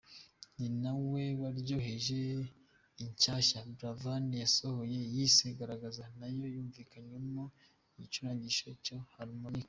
Ni na we waryoheje inshyashya Buravan yasohoye yise ‘Garagaza’ nayo yumvikanamo igicurangisho cya Harmonica.